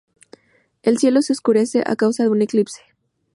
El cielo se oscurece a causa de un eclipse.